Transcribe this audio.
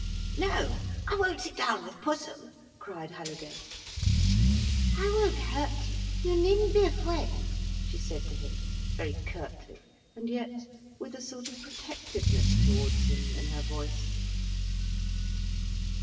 "No, I won't sit down with Pussum," cried Halliday. "I won't hurt you, you needn't be afraid," she said to him, very curtly, and yet with a sort of protectiveness towards him, in her voice.